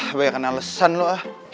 ah banyak kan alesan lo ah